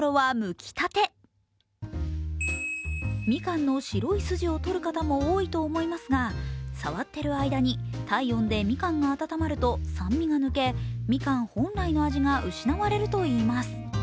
みかんの白い筋を取る方も多いと思いますが、触っている間に体温でみかんが温まると酸味が抜けみかん本来の味が失われるといいます。